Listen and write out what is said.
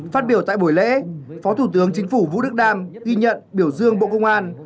phát biểu tại buổi lễ phó thủ tướng chính phủ vũ đức đam ghi nhận biểu dương bộ công an